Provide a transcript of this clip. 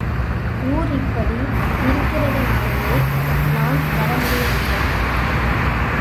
ஊர் இப்படி இருக்கிறதனாலே நான் வரமுடியவில்லை.